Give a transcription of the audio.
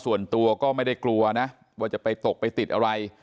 ส่วนตัวก็ไม่ได้กลัวนะว่าจะไปตกไปติดอะไร